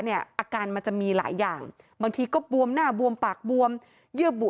อาการมันจะมีหลายอย่างบางทีก็บวมหน้าบวมปากบวมเยื่อบุ